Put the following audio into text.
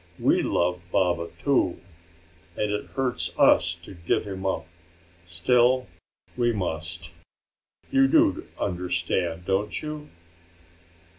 "We love Baba, too, and it hurts us to give him up. Still we must. You do understand, don't you?"